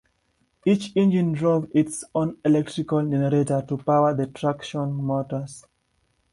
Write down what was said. Each engine drove its own electrical generator to power the traction motors.